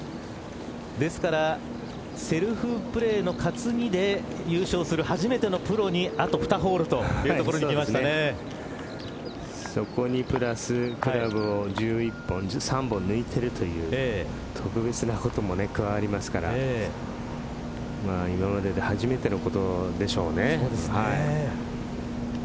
ですから、セルフプレーの担ぎで優勝する初めてのプロにあと２ホールでそこにプラス１１本、３本抜いているという特別なことも加わりますから今までで初めてのことでしょうね。